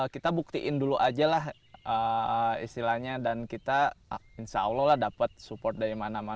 kita buktiin dulu aja lah istilahnya dan kita insya allah lah dapat support dari mana mana